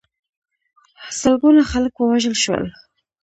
سلګونه خلک ووژل شول.